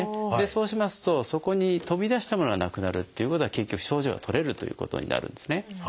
そうしますとそこに飛び出したものがなくなるっていうことは結局症状が取れるということになるんですね。